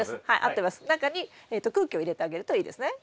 中に空気を入れてあげるといいですね。